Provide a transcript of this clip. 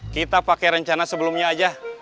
kita pakai rencana sebelumnya aja